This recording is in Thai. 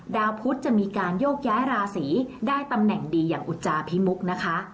ดาวพุทธจะมีการโยกย้ายราศีได้ตำแหน่งดีอย่างอุจจาพิมุกนะคะ